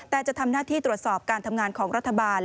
แต่จะทำหน้าที่ตรวจสอบการทำงานของรัฐบาล